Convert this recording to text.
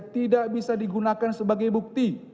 tidak bisa digunakan sebagai bukti